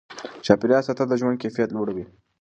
چاپیریال ساتل د ژوند کیفیت لوړوي.